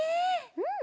うん！